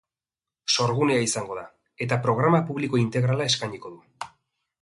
Sorgunea izango da, eta programa publiko integrala eskainiko du.